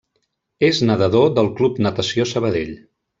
És nedador del Club Natació Sabadell.